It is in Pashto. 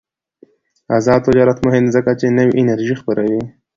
آزاد تجارت مهم دی ځکه چې نوې انرژي خپروي.